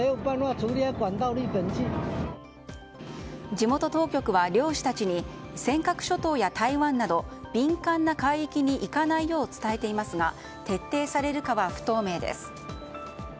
地元当局は漁師たちに尖閣諸島や台湾など敏感な海域に行かないよう伝えていますが徹底されるかは不透明です。